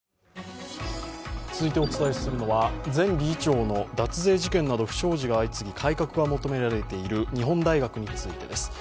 続いてお伝えするのは前理事長の脱税事件などが続き改革が求められている日本大学についてです。